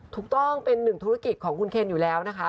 ถูกต้องเป็นหนึ่งธุรกิจของคุณเคนอยู่แล้วนะคะ